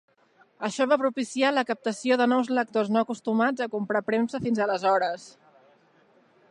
Això va propiciar la captació de nous lectors no acostumats a comprar premsa fins aleshores.